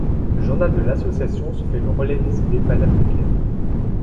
Le journal de l'association se fait le relais des idées panafricaines.